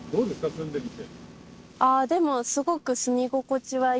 住んでみて。